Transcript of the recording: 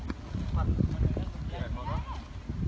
สวัสดีครับทุกคน